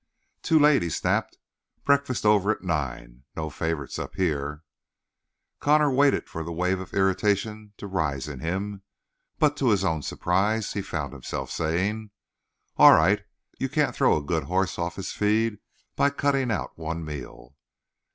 "Too late," he snapped. "Breakfast over at nine. No favorites up here." Connor waited for the wave of irritation to rise in him, but to his own surprise he found himself saying: "All right; you can't throw a good horse off his feed by cutting out one meal."